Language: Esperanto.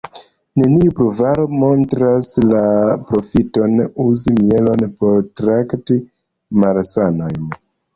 Neniu pruvaro montras la profiton uzi mielon por trakti malsanojn.